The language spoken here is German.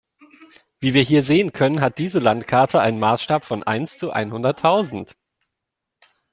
Wie wir hier sehen können, hat diese Landkarte einen Maßstab von eins zu einhunderttausend.